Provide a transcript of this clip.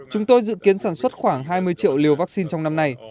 chúng tôi dự kiến sản xuất khoảng hai mươi triệu liều vaccine trong năm nay